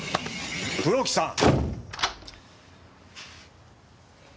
黒木さん。